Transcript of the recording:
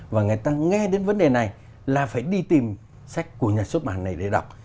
và người ta nghe đến vấn đề này là phải đi tìm sách của nhà xuất bản này để đọc